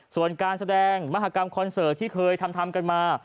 ส่วนการแสดงมหากรรมคอนเสิร์ตที่เคยทำกันมา